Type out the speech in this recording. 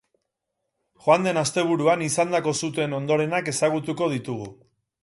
Joan den asteburuan izandako suteen ondorenak ezagutuko ditugu.